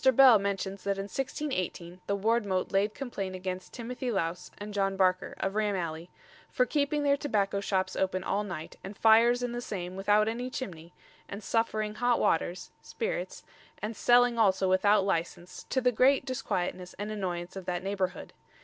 Bell mentions that in 1618 the wardmote laid complaint against Timothy Louse and John Barker, of Ram Alley, "for keeping their tobacco shoppes open all night and fyers in the same without any chimney and suffering hot waters [spirits] and selling also without licence, to the great disquietness and annoyance of that neighbourhood."